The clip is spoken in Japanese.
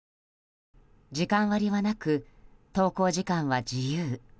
時間割はなく、登校時間は自由。